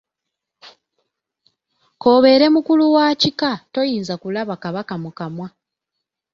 K’obeere mukulu wa kika toyinza kulaba Kabaka mu kamwa.